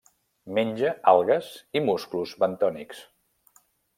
Menja algues i musclos bentònics.